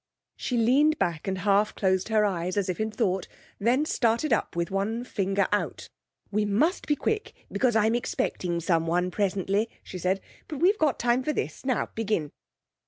She leant back and half closed her eyes, as if in thought; then started up with one finger out. 'We must be quick, because I'm expecting someone presently,' she said. 'But we've got time for this. Now begin.